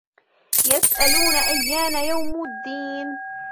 يَسْأَلُونَ أَيَّانَ يَوْمُ الدِّينِ